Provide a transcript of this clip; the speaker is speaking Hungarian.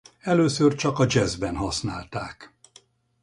Először csak a dzsesszben használták.